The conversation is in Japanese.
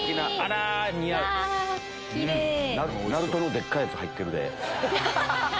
なるとのでっかいやつ入ってる。